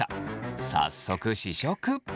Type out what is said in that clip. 早速試食。